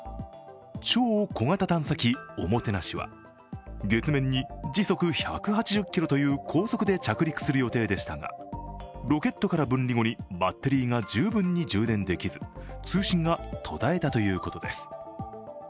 超小型探査機「ＯＭＯＴＥＮＡＳＨＩ」は月面に時速１８０キロという高速で着陸する予定でしたが、ロケットから分離後にバッテリーが十分に充電できず通信が途絶えたということです。